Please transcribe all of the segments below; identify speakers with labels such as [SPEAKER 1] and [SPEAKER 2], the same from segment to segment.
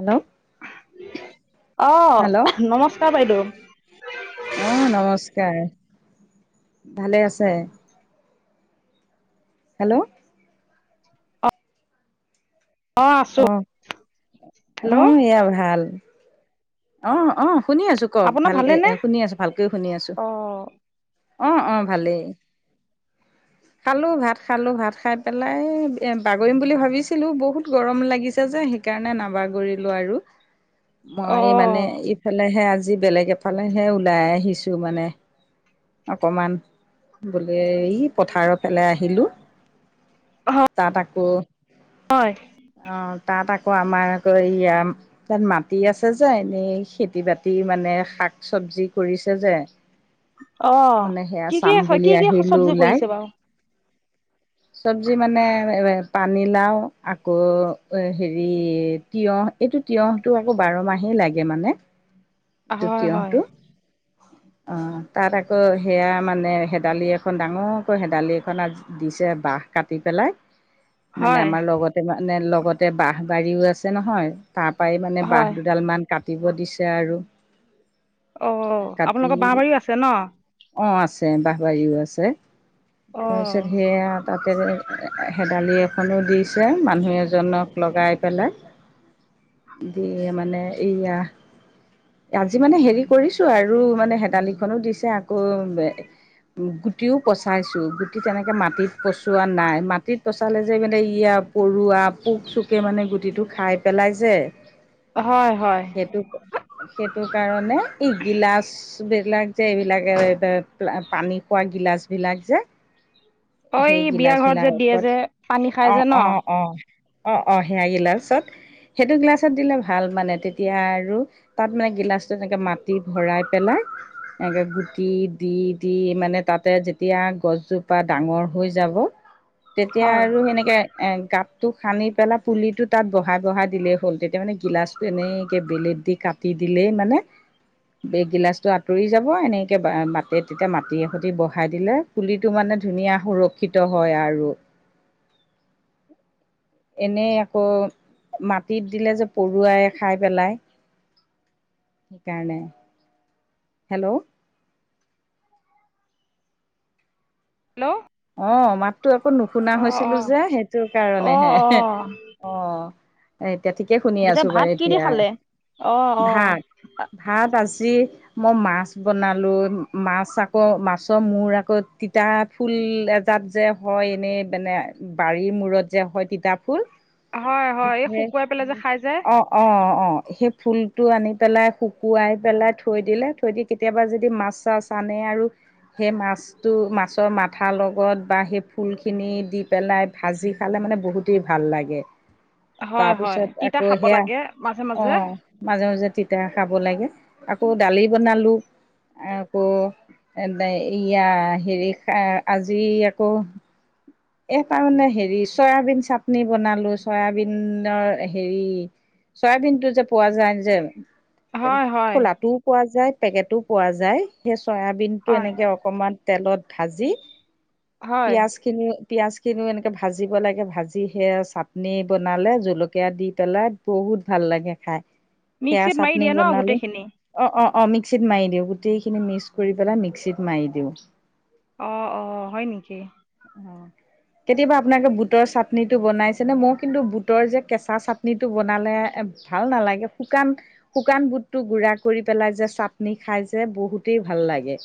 [SPEAKER 1] Hello
[SPEAKER 2] অ'
[SPEAKER 1] hello
[SPEAKER 2] নমস্কাৰ বাইদেউ
[SPEAKER 1] আহ নমস্কাৰ ভালে আছে হেল্ল'
[SPEAKER 2] অ'
[SPEAKER 1] অ
[SPEAKER 2] হেল্ল'
[SPEAKER 1] মোৰ এয়া ভাল অ অ শুনি আছো কওঁক
[SPEAKER 2] আপোনাৰ
[SPEAKER 1] ভাল এ
[SPEAKER 2] ভালেনে?
[SPEAKER 1] শুনি আছো ভালকৈ শুনি আছো
[SPEAKER 2] অ'
[SPEAKER 1] অ অ ভালেই খালো ভাত খালোঁ ভাত খাই পেলাই বাগৰিম বুলি ভাবিছিলো বহুত গৰম লাগিছে যে সেইকাৰণে নাবাগৰিলো আৰু এই মানে
[SPEAKER 2] অ',
[SPEAKER 1] ইফালেহে আজি বেলেগ এফালেহে ওলাই আহিছো মানে অকমান বোলে পথাৰৰ ফালে আহিলোঁ তাত আকৌ
[SPEAKER 2] হয়
[SPEAKER 1] অ তাত আকৌ আমাৰ আকৌ ইয়া তাত মাটি আছে যে এনেই খেতি বাতি মানে শাক চবজি কৰিছে যে
[SPEAKER 2] অ'
[SPEAKER 1] মানে সেয়া
[SPEAKER 2] কি কি
[SPEAKER 1] চাম বুলি
[SPEAKER 2] কি কি
[SPEAKER 1] আহিলো
[SPEAKER 2] চব্জি
[SPEAKER 1] ওলাই
[SPEAKER 2] কৰিছে বাৰু?
[SPEAKER 1] চবজি মানে এ পানীলাও আকৌ এ হেৰি তিয়হ এইটো তিয়হটো আকৌ বাৰ মাহে লাগে মানে এইটো
[SPEAKER 2] হয় হয়
[SPEAKER 1] তিয়হটো [inaudible] অ তাত আকৌ সেয়া মানে হেদালি এখন ডাঙৰকৈ হেদালি এখন আ দিছে বাঁহ কাটি পেলাই মানে
[SPEAKER 2] হয়
[SPEAKER 1] আমাৰ লগতে মানে লগ আগতে বাঁহ বাৰীও আছে নহয় তাৰ পৰাই মানে বাঁহ
[SPEAKER 2] হয়
[SPEAKER 1] দুডাল মান কাটিব দিছে আৰু
[SPEAKER 2] অ'
[SPEAKER 1] কাটি
[SPEAKER 2] আপোনালোকৰ বাঁহ বাৰীও আছে ন?
[SPEAKER 1] অ আছে আছে বাঁহ বাৰীও আছে তাৰপিছত
[SPEAKER 2] অ'
[SPEAKER 1] সেয়া তাতে হেদালি এখনো দিছে মানুহ এজনক লগাই পেলাই দি মানে এয়া আজি মানে হেৰি কৰিছো আৰু মানে হেদালিখনো দিছে আকৌ গুটিও পচাইছো গুটি তেনেকে মাটিত চোৱা নাই মাটিত পচালে যে মানে ইয়া পৰুৱা পোক চোকে মানে গুটিটো খাই পেলাই যে
[SPEAKER 2] হয় হয়
[SPEAKER 1] সেইটো সেইটো কাৰণে ই গিলাচ বিলাক যে, এইবিলাকে পানী খোৱা গিলাচ বিলাক যে
[SPEAKER 2] অ' এই
[SPEAKER 1] সেই
[SPEAKER 2] বিয়া
[SPEAKER 1] গিলাচ
[SPEAKER 2] ঘৰত যে দিয়ে
[SPEAKER 1] বিলাকত,
[SPEAKER 2] যে পানী খাই যে ন?
[SPEAKER 1] অ-অ-অ অ-অ, সেইয়া গিলাচত সেইটো গিলাচত দিলে ভাল মানে, তেতিয়া আৰু তাত মানে গিলাচটো এনেকে মাটি ভৰাই পেলাই এনেকে গুটি দি-দি, মানে তাতে যেতিয়া গছজোপা ডাঙৰ হৈ যাব, তেতিয়া
[SPEAKER 2] হয়
[SPEAKER 1] আৰু সেনেকে এ গাত টো খান্দি পেলাই পুলিটো তাত বহাই বহাই দিলেই হ'ল তেতিয়া মানে গিলাচটো এনেকে বেলেত দি কাটি দিলেই মানে এই গিলাচ টো আঁতৰি যাব এনেকে বাতি তেতিয়া মাটি এ সতি বহাই দিলে পুলিটো মানে ধুনীয়া সুৰক্ষিত হয় আৰু এনেই আকৌ মাটিত দিলে যে পৰুৱাই খাই পেলায় সেইকাৰণে হেল্ল'
[SPEAKER 2] হেল্ল'
[SPEAKER 1] অ মাতো আকৌ নুশুনা
[SPEAKER 2] অ'
[SPEAKER 1] হৈছিলো
[SPEAKER 2] অ'
[SPEAKER 1] যে সেইটো
[SPEAKER 2] অ'
[SPEAKER 1] কাৰণেহে
[SPEAKER 2] অ'
[SPEAKER 1] অ এতিয়া ঠিকে শুনি
[SPEAKER 2] পিছে
[SPEAKER 1] আছো বাৰু
[SPEAKER 2] ভাত কি দি
[SPEAKER 1] এতিয়া
[SPEAKER 2] খালে? অ' অ'
[SPEAKER 1] ভাত ভাত আজি মই মাছ বনালো মাছ আকৌ মাছৰ মূৰ আকৌ তিতা ফুল ফুল এজাত যে হয় এনেই মানে বাৰীৰ মূৰত যে হয় তিতা ফুল
[SPEAKER 2] হয় হয় এই শুকুৱাই পেলাই যে খাই যে
[SPEAKER 1] অ অ অ সেই ফুলটো আনি পেলাই শুকুৱাই পেলাই থৈ দিলে থৈ দি কেতিয়াবা যদি মাছ চাছ মানে আৰু সেই মাছটো মাছৰ মাথা লগ বা সেই ফুল খিনি দি পেলাই ভাজি খালে মানে বহুতেই ভাল লাগে
[SPEAKER 2] হয় হয়
[SPEAKER 1] তাৰপিছত
[SPEAKER 2] তিতা
[SPEAKER 1] আকৌ
[SPEAKER 2] খাব
[SPEAKER 1] সেয়া
[SPEAKER 2] লাগে মাজে
[SPEAKER 1] অ
[SPEAKER 2] মাজে
[SPEAKER 1] মাজে মাজে তি এতিয়া খাব লাগে আকৌ দালি বনালো আকৌ এ ইয়া হেৰি যি আকৌ এ তাৰ মানে হেৰি চয়াবিন চাটনি বনালো চয়াবিনৰ হেৰি চয়াবিন টো যে পোৱা যায় যে,
[SPEAKER 2] হয় হয়
[SPEAKER 1] খোলাটোও পোৱা যায়, পেকেটো পোৱা যায়, সেই চয়াবিন টো
[SPEAKER 2] হয়
[SPEAKER 1] এনেকে অকমান তেলত ভাজি,
[SPEAKER 2] হয়
[SPEAKER 1] পিয়াজ খিনি পিয়াজখিনি এনেকে ভাজিব লাগে, ভাজি সে আৰু চাটনি বনালে জলকীয়া দি পেলাই, বহুত বহুত ভাল লাগে খাই, সেইয়া
[SPEAKER 2] মিক্সিত মাৰি
[SPEAKER 1] চাটনি
[SPEAKER 2] দিয়ে ন
[SPEAKER 1] বনালে,
[SPEAKER 2] গোটেইখিনি
[SPEAKER 1] অ-অ অ, মিক্সিত মাৰি দিওঁ, গোটেইখিনি মিক্স কৰি পেলাই, মিক্সিত মাৰি দিওঁ।
[SPEAKER 2] অ-অ, হয় নেকি?
[SPEAKER 1] অ কেতিয়াবা আপোনাক যে বুটৰ চাটনিটো বনাইছে নে? মই কিন্তু বুটৰ যে কেঁচা চাটনিটো বনালে এ-এ ভাল নালাগে, শুকান-শুকান বুটটো গুড়া কৰি পেলাই যে, চাটনি খাই যে, বহুত গোটেই ভাল লাগে।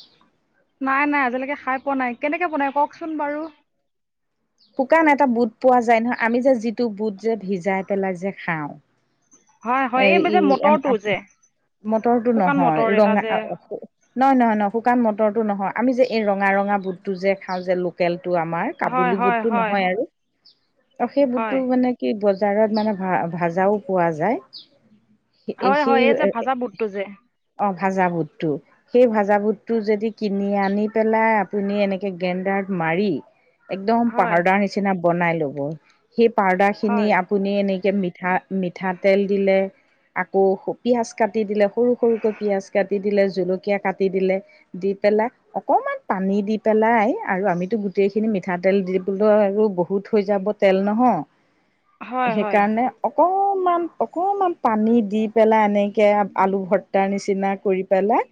[SPEAKER 2] নাই-নাই আজিলৈকে খাই পোৱা নাই। কেনেকে বনাই কওঁকচোন বাৰু?
[SPEAKER 1] শুকান এটা বুট পোৱা যায়, নহয় আমি যে যিটো বুট যে, ভিজাই পেলাই যে খাওঁ
[SPEAKER 2] হয় হয়
[SPEAKER 1] এ
[SPEAKER 2] এই যে
[SPEAKER 1] ই
[SPEAKER 2] মটৰটো যে
[SPEAKER 1] মটৰটো
[SPEAKER 2] শুকান মটৰ
[SPEAKER 1] নহয়।
[SPEAKER 2] এটা
[SPEAKER 1] ৰঙা
[SPEAKER 2] যে
[SPEAKER 1] নহয়-নহয়-নহয়, শুকান মটৰটো নহয়, আমি যে এই ৰঙা-ৰঙা বুটটো যে খাওঁ যে, লোকেল টো আমাৰ
[SPEAKER 2] হয়
[SPEAKER 1] কাবুলী
[SPEAKER 2] হয়
[SPEAKER 1] বুটটো
[SPEAKER 2] হয়
[SPEAKER 1] নহয় আৰু, ত সেই
[SPEAKER 2] হয়
[SPEAKER 1] বুটটো মানে কি বজাৰ বজাৰত মানে, ভা-ভাজাও পোৱা যায়।
[SPEAKER 2] হয়
[SPEAKER 1] সেই,
[SPEAKER 2] হয় এই যে ভাজা বুটটো যে
[SPEAKER 1] অহ ভাজা বুটটো। সেই ভাজা বুটটো যদি কিনি আনি পেলাই আপুনি এনেকে গ্ৰেণ্ডাৰত মাৰি একদম
[SPEAKER 2] হয়
[SPEAKER 1] পাউদাৰ নিচিনা বনাই লব, সেই পাউদাৰ খিনি
[SPEAKER 2] হয়
[SPEAKER 1] আপুনি এনে মিঠা-মিঠাতেল দিলে আকৌ পিয়াজ কাটি দিলে, সৰু-সৰুকৈ পিয়াজ কাটি দিলে, জলকীয়া কাটি দিলে, দি পেলাই, অকণমান পানী দি পেলাই, আৰু আমিতো গোটেইখিনি মিঠাতেল দি পেলাই আৰু বহুত থৈ যাব তেল নহয়,
[SPEAKER 2] হয় হয়
[SPEAKER 1] সেইকাৰণে অকমান অকনমান পানী দি পেলাই, এনেকে আলু ভৰ্তাৰ নিচিনা কৰি পেলাই।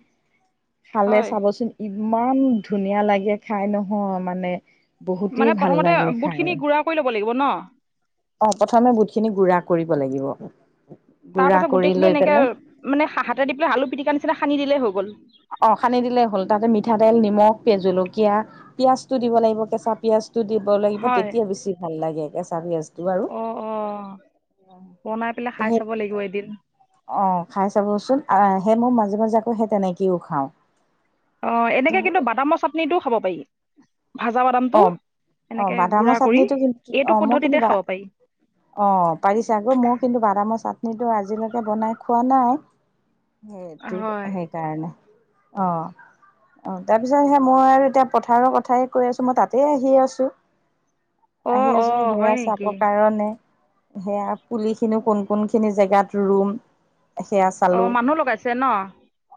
[SPEAKER 1] খালে
[SPEAKER 2] হয়
[SPEAKER 1] চাবচোন ইমান ধুনীয়া লাগে খাই নহয় মানে। বহুতেই
[SPEAKER 2] মানে
[SPEAKER 1] ভাল
[SPEAKER 2] প্ৰথমতে
[SPEAKER 1] লাগে খাই
[SPEAKER 2] বুটখিনি গুৰা কৰি ল'ব লাগিব ন?
[SPEAKER 1] অ প্ৰথমে বুটখিনি গুৰা কৰিব লাগিব।
[SPEAKER 2] তাৰ
[SPEAKER 1] গুড়া
[SPEAKER 2] পাছত
[SPEAKER 1] কৰি
[SPEAKER 2] গোটেইখিনি
[SPEAKER 1] লৈ
[SPEAKER 2] এনেকে
[SPEAKER 1] পেলাই
[SPEAKER 2] মানে হাতে দি পেলাই আলু পিটিকা নিচিনা সানি দিলেই হৈ গ'ল।
[SPEAKER 1] অ খানি দিলে হ'ল। তাতে মিঠাতেল, নিমখ, তে জলকীয়া, পিঁয়াজটো দিব লাগিব কেঁচা পিঁয়াজ। সেইটো দিব লাগিব তেতিয়া বেছি ভাল লাগে, কেঁচা পিঁয়াজ।
[SPEAKER 2] অ-অ, বনাই পেলাই খাই
[SPEAKER 1] সেই
[SPEAKER 2] চাব লাগিব এদিন।
[SPEAKER 1] অ, খাই চাবচোন, আহ, সেই মই মাজে- মাজে আকৌ সেই তেনেকেও খাওঁ।
[SPEAKER 2] অ, এনেকে কিন্তু বাদামৰ চাটনিটো খাব পাৰি। ভাজা বাদামটো
[SPEAKER 1] অ অ
[SPEAKER 2] এনেকে
[SPEAKER 1] বাদামৰ
[SPEAKER 2] গুড়া কৰি,
[SPEAKER 1] চাটনিটো কিন্তু অ
[SPEAKER 2] এইটো
[SPEAKER 1] মই কিন্তু
[SPEAKER 2] পদ্ধতিতে
[SPEAKER 1] বা
[SPEAKER 2] খাব পাৰি।
[SPEAKER 1] অ, পাৰিছে আকৌ, মই কিন্তু বাদামৰ চাটনি কিন্তু আজিলৈকে বনাই খোৱা নাই, সেইটো
[SPEAKER 2] হয়
[SPEAKER 1] সেইকাৰণে। অ-অ, তাৰপিছত সেই মই আৰু এতিয়া পথাৰৰ কথাই কৈ আছো। মই তাতে আহি আছো,
[SPEAKER 2] অ
[SPEAKER 1] আহি
[SPEAKER 2] অ
[SPEAKER 1] আছো সেইয়া
[SPEAKER 2] হয়
[SPEAKER 1] চাব
[SPEAKER 2] নেকি
[SPEAKER 1] কাৰণে। সেইয়া পুলি খিনিও, কোন-কোন খিনিত জেগাত ৰুম সেইয়া
[SPEAKER 2] অ
[SPEAKER 1] চালো।
[SPEAKER 2] মানুহ লগাইছে ন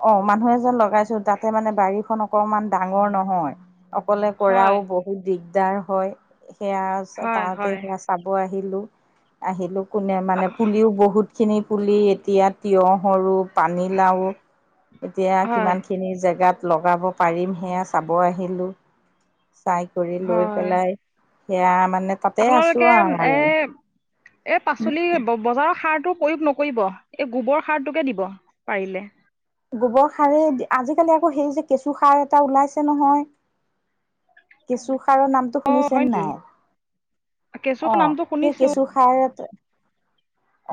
[SPEAKER 1] অ মানুহে যে লগাইছো, তাতে মানে বাৰীখন অকমান ডাঙৰ নহয়। অক
[SPEAKER 2] হয়
[SPEAKER 1] কৰাও বহুত দিগদাৰ হয়, সেইয়া
[SPEAKER 2] হয়
[SPEAKER 1] তাহতে
[SPEAKER 2] হয়
[SPEAKER 1] সেইয়া চাব আহি আহিলো-আহিলো, কোনে মানে পুলিও বহুত খিনি পুলি, এতিয়া তিঁয়হ সৰু পানীলাও, এতিয়া
[SPEAKER 2] হয়
[SPEAKER 1] কিমান খিনি জেগাত লগাব পাৰিম। সেইয়া চাব আহিলোঁ, চাই কৰি লৈ
[SPEAKER 2] হয়
[SPEAKER 1] পেলাই সেইয়া আমাৰ
[SPEAKER 2] আপোনালোকে এ-এ পাচলি বজাৰৰ সাৰটো প্ৰয়োগ নকৰিব। এই গোবৰ সাৰটোকে দিব পাৰিলে।
[SPEAKER 1] গোবৰ সাৰেই আজিকালি আকৌ সেই যে কেঁচু সাৰ এটা ওলাইছে নহয়। কেঁচু খাৰৰ নামটো
[SPEAKER 2] অ
[SPEAKER 1] শুনিছে
[SPEAKER 2] হয়
[SPEAKER 1] নে
[SPEAKER 2] নেকি
[SPEAKER 1] নাই?
[SPEAKER 2] কেঁচু
[SPEAKER 1] অ
[SPEAKER 2] নামটো
[SPEAKER 1] সেই
[SPEAKER 2] শুনিছো
[SPEAKER 1] কেঁচু সাৰ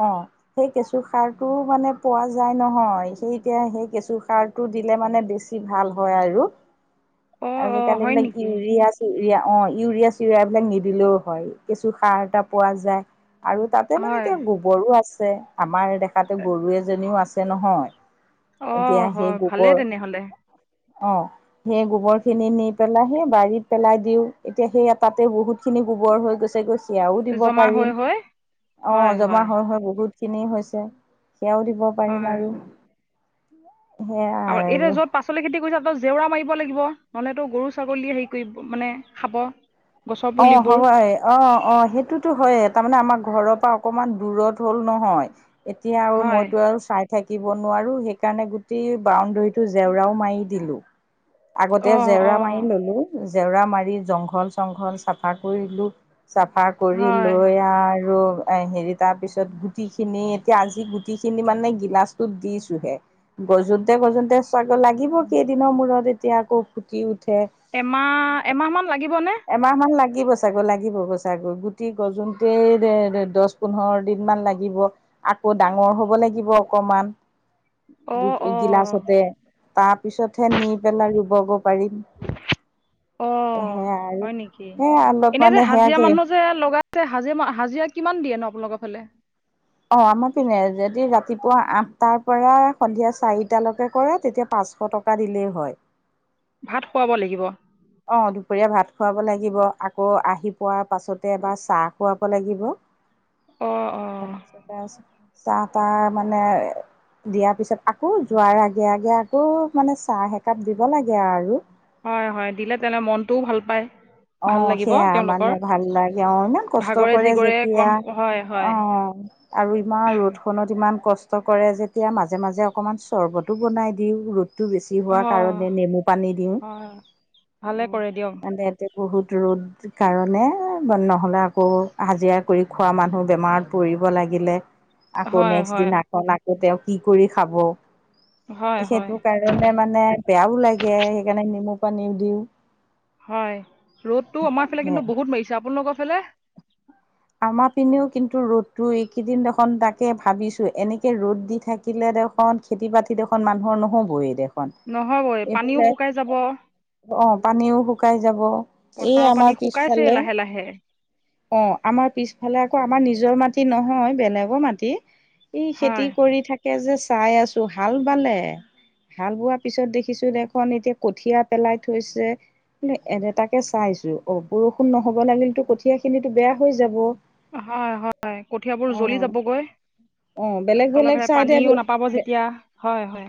[SPEAKER 1] অ, সেই কেঁচু সাৰটো মানে পোৱা যায় নহয়। সেই এতিয়া সেই কেঁচু সাৰটো দিলে মানে বেছি ভাল হয় আৰু।
[SPEAKER 2] অ অ
[SPEAKER 1] আজিকালি
[SPEAKER 2] হয়
[SPEAKER 1] এইবিলাক
[SPEAKER 2] নেকি
[SPEAKER 1] ইউৰিয়া চিউৰিয়া অ ইউৰিয়া চিউৰিয়া এইবিলাক নিদিলেও হয়। কেঁছু সাৰ এটা পোৱা যায়। আৰু তাতে মানে
[SPEAKER 2] হয়
[SPEAKER 1] এতিয়া গোবৰো আছে। আমাৰ দেখাতে গৰু এজনীও আছ নহয়
[SPEAKER 2] অ
[SPEAKER 1] এতিয়া সেই
[SPEAKER 2] হয় ভালেই
[SPEAKER 1] গোবৰ
[SPEAKER 2] তেনেহলে
[SPEAKER 1] অ, সেই গোবৰ খিনি নি পেলাই সেই বাৰীত পেলাই দিও। এতিয়া সেই তাতে বহুত খিনি গোবৰ হৈ গৈছে। গৈ চিয়াও দিব
[SPEAKER 2] জমা হৈ
[SPEAKER 1] পাৰিম।
[SPEAKER 2] হৈ
[SPEAKER 1] অ, জমা হয় হয় বহুত খিনি হৈছে সেয়াও দিব পাৰিম আৰু সেয়াই
[SPEAKER 2] আমাৰ এতি
[SPEAKER 1] আৰু
[SPEAKER 2] যত পাচলি খেতি কৰিছে তত জেওৰা মাৰিব লাগিব নহলেতো গৰু -ছাগলী হেৰি কৰিব মানে খাব। গছৰ
[SPEAKER 1] অ
[SPEAKER 2] পুলিবোৰ
[SPEAKER 1] হবই অ অ সেইটোতো হৈয়ে। তাৰমানে আমাৰ ঘৰৰ পৰা অকমান দূৰত হ'ল নহয়। এতিয়া আৰু
[SPEAKER 2] হয়
[SPEAKER 1] মইতো আৰু চাই থাক কাটিব নোৱাৰো সেইকাৰণে গোটেই বাউণ্ডৰীটো জেওৰাও মাৰি দিলো। আগতে
[SPEAKER 2] অঁ
[SPEAKER 1] জেওৰা
[SPEAKER 2] অঁ
[SPEAKER 1] মাৰি ললো, জেওৰা মাৰি জংঘল চংঘল চফা কৰিলো। চাফা কৰি
[SPEAKER 2] হয়
[SPEAKER 1] লৈ আৰু এ হেৰি তাৰ পিছত গুটিখিনি এতিয়া আজি গু গুটিখিনি মানে গিলাচটোত দিছোহে। গজোতে গজোতে চ লাগিব কেইদিনৰ মূৰত যেতিয়া আকৌ ফুটি উঠ
[SPEAKER 2] এমাহ, এমাহ মান লাগিব।
[SPEAKER 1] এমাহমান লাগ লাগিব চাগৈ লাগিব গৈ চাগৈ। গুটি গজতে দছ, পোন্ধৰ দিন মান লাগিব। আকৌ ডাঙৰ হব লাগিব অকমান
[SPEAKER 2] অঁ অঁ
[SPEAKER 1] গিলাচতে তাৰ পিছতহে নি পেলাই ৰুবগে পাৰিম
[SPEAKER 2] অঁ
[SPEAKER 1] সেয়া আৰু
[SPEAKER 2] হয় নেকি
[SPEAKER 1] সেয়া অলপ
[SPEAKER 2] এনে
[SPEAKER 1] মানে
[SPEAKER 2] যে হাজিৰা
[SPEAKER 1] সেয়াকে
[SPEAKER 2] মানুহ যে লগাইছে হাজিৰা হাজিৰা কিমান দিয়ে ন আপোনালোকৰ ফালে
[SPEAKER 1] অ আমাৰ পিনে যদি ৰাতিপুৱা আঠটাৰ পৰা সন্ধিয়া চাৰিটালৈকে কৰে তেতিয়া পা পাঁচশ টকা দিলেই হয়।
[SPEAKER 2] ভাত খুৱাব লাগিব।
[SPEAKER 1] অ, দুপৰীয়া ভাত খুৱাব লাগিব। আকৌ আহি পোৱাৰ পাছতে এবাৰ চাহ খুৱাব লাগিব।
[SPEAKER 2] অঁ অঁ
[SPEAKER 1] তাৰপিছ চাহ-তাহ মানে দিয়াৰ পিছত আকৌ যোৱাৰ আগে আগে আকৌ মানে চাহ একাপ দিব লাগে আৰু।
[SPEAKER 2] হয়, হয় দিলে তেনে মনটোও ভাল পায়। ভাল
[SPEAKER 1] অহ
[SPEAKER 2] লাগিব
[SPEAKER 1] সেয়া। মানে
[SPEAKER 2] তেওঁলোকৰ
[SPEAKER 1] ভাল লাগে অ ইমান কষ্ট
[SPEAKER 2] ভাগৰে
[SPEAKER 1] কৰে
[SPEAKER 2] জিগৰে
[SPEAKER 1] যেতিয়া।
[SPEAKER 2] কম হয়
[SPEAKER 1] অ
[SPEAKER 2] হয়
[SPEAKER 1] আৰু ইমান ৰ'দ খনত ইমান কষ্ট কৰে যেতিয়া মাজে মাজে অকমান চৰ্বতো বনাই দিওঁ। ৰ টো বেছি হোৱা কাৰণে
[SPEAKER 2] হয়
[SPEAKER 1] নেমু পানী দিওঁ।
[SPEAKER 2] হয় ভালে কৰে দিয়ক
[SPEAKER 1] মানে বহুত ৰ'দ কাৰণে নহ'লে আকৌ হাজিৰা কৰি খোৱা মানুহ বেমাৰত পৰি লাগিলে আকৌ
[SPEAKER 2] হয়
[SPEAKER 1] নেক্স
[SPEAKER 2] হয়
[SPEAKER 1] দিন আক আকৌ তেওঁ কি কৰি খাব?
[SPEAKER 2] হয় হয়
[SPEAKER 1] সেইটো কাৰণে মানে বেয়াও লাগে। সেইকাৰণে নেমু পানীও দিও।
[SPEAKER 2] হয়, ৰ'দটো আমাৰ ফালে কিন্তু বহুত মাৰিছে। আপোনালোকৰ ফালে?
[SPEAKER 1] আমাৰ পিনেও কিন্তু ৰ'দতো এইকেইদিন দেখোন তাকে ভাবিছো। এনেকে ৰ'দ দি থাকিলে খন খেতি বাতিত এখন মানুৰ নহ'বই দে।
[SPEAKER 2] নহবয়ে, পানীও শুকাই যাব।
[SPEAKER 1] অ, পানীও শুকাই যাব। এই
[SPEAKER 2] পথাৰৰ পানী
[SPEAKER 1] আমাৰ
[SPEAKER 2] শুকাইছেই
[SPEAKER 1] পিছফালে
[SPEAKER 2] লাহে লাহে
[SPEAKER 1] অ, আমাৰ পিছফালে আকৌ আমাৰ নিজৰ মাটি নহয় বেলেগৰ মাটি ই খেতি
[SPEAKER 2] হয়
[SPEAKER 1] কৰি থাকে যে চাই আছো হাল বালে হাল বোৱা পিছত দেখিছো দেখোন এতিয়া কঠিয়া পেলাই থৈছে এনে তাকে চাইছো অ বৰষুণ নহব লাগিলেতো কঠিয়াখিনিতো বেয়া হৈ যাব
[SPEAKER 2] হয় হয় কঠিয়াবোৰ জ্বলি
[SPEAKER 1] অ
[SPEAKER 2] যাবগৈ
[SPEAKER 1] অ বেলেগ
[SPEAKER 2] তলৰ
[SPEAKER 1] বেলেগ
[SPEAKER 2] ফালে
[SPEAKER 1] চাইডে
[SPEAKER 2] পানীও নাপাব যেতিয়া হয় হয়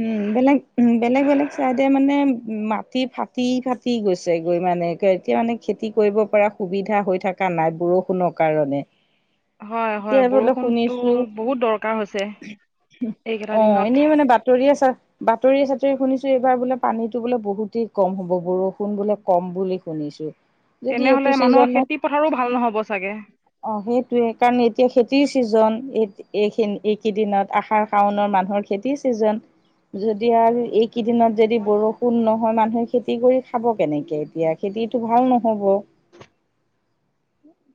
[SPEAKER 1] উম বেলেগ উ বেলেগ বেলেগ চাইদিয়ে মানে উম মাটি ফাটি ফাটি গৈছে গৈ মানে এতিয়া মানে খেতি কৰিব পৰা সুবিধা হৈ থা কানাই বৰষুণৰ কাৰণে
[SPEAKER 2] হয়
[SPEAKER 1] এতিয়া
[SPEAKER 2] হয়
[SPEAKER 1] বোলে
[SPEAKER 2] বৰষুণটো
[SPEAKER 1] শুনিছো
[SPEAKER 2] বহুত দৰকাৰ হৈছে এইকেইটা
[SPEAKER 1] অ
[SPEAKER 2] দিনত
[SPEAKER 1] এনেই মানে বাতৰি আছা বাতৰিয়ে চাতৰি শুনিছো এইবাৰ বোলে পানীতো বোলে বহুতেই কম হ'ব বৰষুণ বোলে কম বুলি শুনিছো যদি
[SPEAKER 2] তেনেহ'লে
[SPEAKER 1] এইটো
[SPEAKER 2] মানুহৰ
[SPEAKER 1] চিজনত
[SPEAKER 2] খেতি পথাৰো ভাল নহ'ব চাগে
[SPEAKER 1] অ সেইটোৱে কাৰণ এতিয়া খেতিৰ চিজন এইখিন এইকেইদিনত আহাৰ শাওনৰ মানুহৰ খেতিৰ চিজন যদি আৰু এই কেইদিনত যদি
[SPEAKER 2] মই
[SPEAKER 1] বৰষুণ নহয় মানুহে খেতি কৰি খাব কেনেকৈ এতিয়া খেতিটো ভাল নহ'ব [inaudible]